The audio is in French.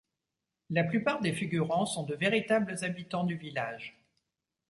La plupart des figurants sont de véritables habitants du village.